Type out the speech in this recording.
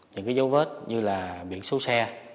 những dấu vết như biển số xe